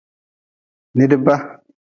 Nidba.